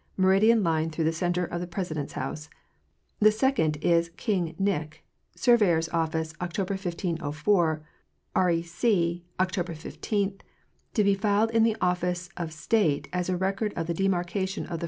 Meridian Line through the centre of the Presi dent's house." The second is " King Nich*. Surveyor's office Oct. 15, 04. rec*. Oct. 15. to be filed in the office of state as a record of the demarcation of the 1